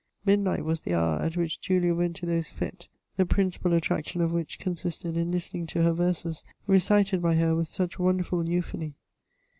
Midnight was the hour at which Julia went to those //if^9, the principal attraction of which consisted in listening to her verses, recited by her with such wonderful euphony.